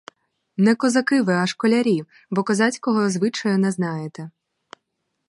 Не козаки ви, а школярі, бо козацького звичаю не знаєте.